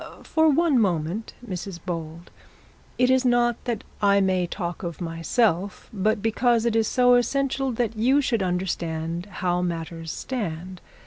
'For one moment, Mrs Bold. It is not that I may talk of myself, but because it is so essential that you should understand how matters stand.